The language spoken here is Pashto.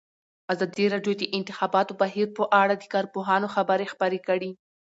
ازادي راډیو د د انتخاباتو بهیر په اړه د کارپوهانو خبرې خپرې کړي.